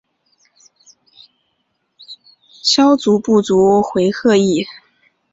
萧族部族回鹘裔。